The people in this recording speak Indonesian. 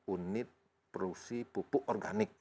unit produksi pupuk organik